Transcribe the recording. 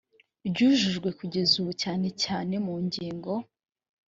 ryujujwe kugeza ubu cyane cyane mu ngingo